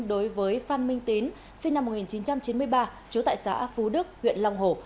đối với phan minh tín sinh năm một nghìn chín trăm chín mươi ba trú tại xã phú đức huyện long hồ